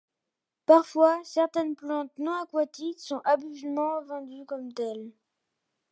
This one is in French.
Parfois, certaines plantes non aquatiques sont abusivement vendues comme telles.